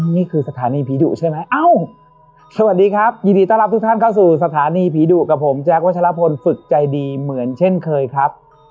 นี่คือสถานีผีดุใช่ไหมเอ้าสวัสดีครับยินดีต้อนรับทุกท่านเข้าสู่สถานีผีดุกับผมแจ๊ควัชลพลฝึกใจดีเหมือนเช่นเคยครับ